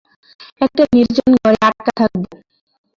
একটা নির্জন ঘরে আটকা থাকব।